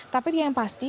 tapi yang pasti